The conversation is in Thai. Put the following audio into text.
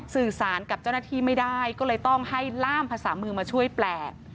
สื่อสารกับเจ้าหน้าที่ไม่ได้ก็เลยต้องให้ล่ามภาษามือมาช่วยแปลก